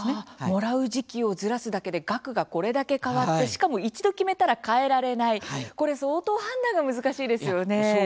もらう時期をずらすだけで額がこれだけ変わってしかも、一度決めたら変えられないこれ相当、判断が難しいですよね。